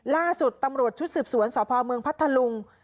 ล่าสุดตำรวจชุดสืบสวนสพเมืองพัทธลุง